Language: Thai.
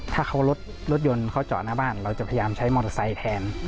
ถ้าเขารถยนต์เขาจอดหน้าบ้านเราจะพยายามใช้มอเตอร์ไซค์แทน